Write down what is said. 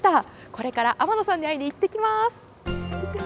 これから天野さんに会いに行ってきます！